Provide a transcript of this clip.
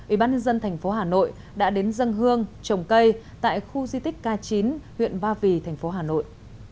ubnd tp hà nội đã đến dâng hương trồng cây tại khu di tích k chín huyện ba vì tp hà nội